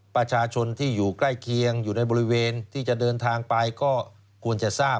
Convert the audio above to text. ประชาชนที่อยู่ใกล้เคียงอยู่ในบริเวณที่จะเดินทางไปก็ควรจะทราบ